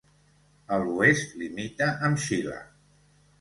A l'oest limita amb Xile.